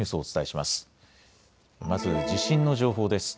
まず地震の情報です。